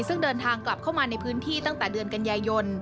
ซึ่งเดินทางกลับเข้ามาในพื้นที่ตั้งแต่เดือนกันยายน